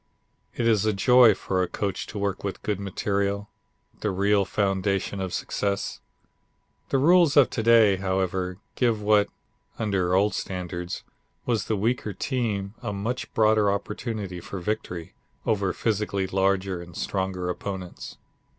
It is a joy for a coach to work with good material the real foundation of success. The rules of to day, however, give what, under old standards, was the weaker team a much broader opportunity for victory over physically larger and stronger opponents.